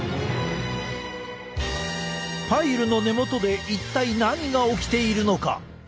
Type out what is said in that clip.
パイルの根元で一体何が起きているのか？